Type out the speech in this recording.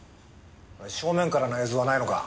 正面からの映像はないのか？